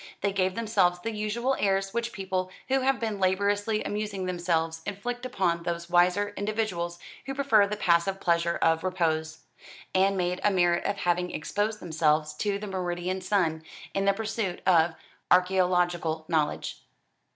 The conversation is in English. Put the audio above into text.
They gave themselves the usual airs which people who have been laboriously amusing themselves inflict upon those wiser individuals who prefer the passive pleasure of repose, and made a merit of having exposed themselves to the meridian sun, in the pursuit of archaeological knowledge.